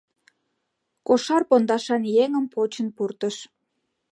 Кошар пондашан еҥым почын пуртыш.